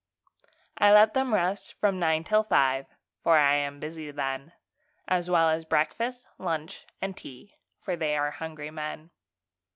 I let them rest from nine till five, For I am busy then, As well as breakfast, lunch, and tea, For they are hungry men.